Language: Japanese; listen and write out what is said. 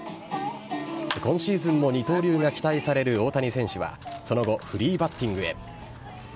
今シーズンも二刀流が期待される大谷選手は、その後、フリーバッティングへ。